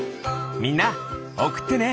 みんなおくってね。